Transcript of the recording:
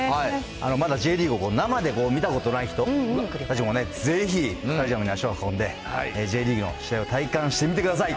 まだＪリーグを生で見たことない人、ぜひ、スタジアムに足を運んで、Ｊリーグの試合を体感してみてください。